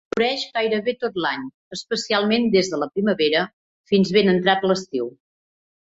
Floreix gairebé tot l'any, especialment des de la primavera fins ben entrat l'estiu.